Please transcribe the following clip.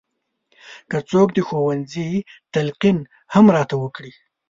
که څوک د ښوونځي تلقین هم راته وکړي.